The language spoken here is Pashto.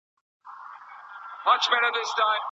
د مزاجونو او کلتورونو توافق ډير اړين دی.